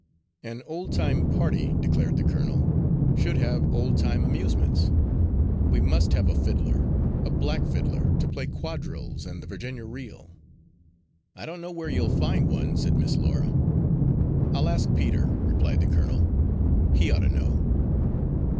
"An old time party," declared the colonel, "should have old time amusements. We must have a fiddler, a black fiddler, to play quadrilles and the Virginia Reel." "I don't know where you'll find one," said Miss Laura. "I'll ask Peter," replied the colonel. "He ought to know."